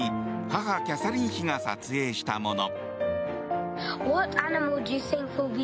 母・キャサリン妃が撮影したもの。